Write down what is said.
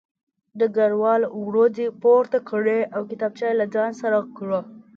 ډګروال وروځې پورته کړې او کتابچه یې له ځان سره کړه